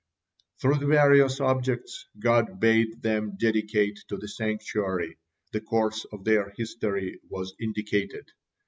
Through the various objects God bade them dedicate to the sanctuary, the course of their history was indicated.